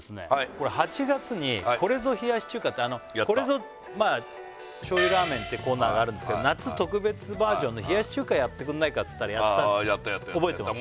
これ８月に「これぞ冷やし中華」って「これぞ醤油ラーメン」ってコーナーがあるんですけど夏特別バージョンの冷やし中華やってくんないかっつったらやってたんです覚えてますか？